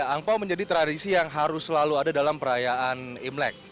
angpao menjadi tradisi yang harus selalu ada dalam perayaan imlek